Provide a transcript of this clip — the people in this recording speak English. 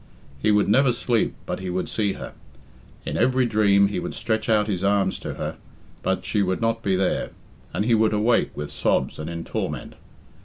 He would never sleep but he would see her. In every dream he would stretch out his arms to her, but she would not be there, and he would awake with sobs and in torment.